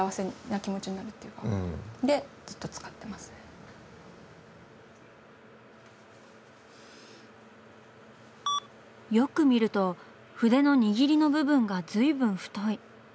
こうよく見ると筆の握りの部分がずいぶん太い。